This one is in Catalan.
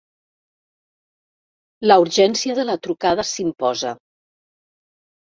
La urgència de la trucada s'imposa.